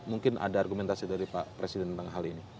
mungkin ada argumentasi dari pak presiden tentang hal ini